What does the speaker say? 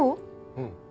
うん。